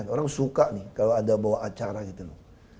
orang suka nih kalau ada bawa acara gitu loh